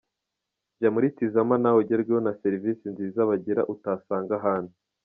Jya muri Tizama nawe ugerweho na serivizi nziza bagira utasanga ahandi.